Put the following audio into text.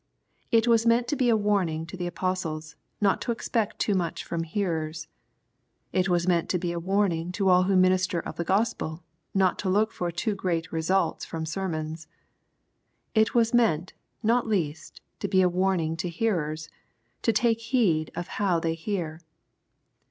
It was meant to be a warning to the apostles, not to expect too much from hearers. It was meant to be a warning to all ministers of the Gospel, not to look for too great results from sermons. It was meant, not least, to be a warning to hearers, to take heed how they hear.